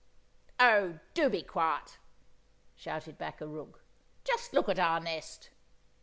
"Oh, do be quiet!" shouted back a rook. "Just look at our nest!